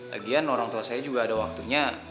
lagian orang tua saya juga ada waktunya